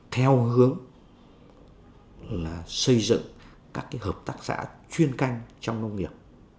chúng tôi hiện nay đã xây dựng được các hợp tác giả chuyên canh trong nông nghiệp